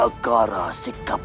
jangan lupa bicara